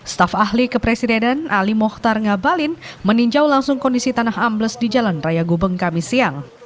staf ahli kepresiden ahli muhtar ngabalin meninjau langsung kondisi tanah ambles di jalan raya gubang kamis siang